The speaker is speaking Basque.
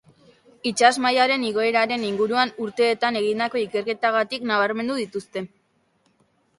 Itsas mailaren igoeraren inguruan urteetan egindako ikerketagatik nabarmendu dituzte.